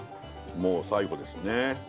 もう最後ですね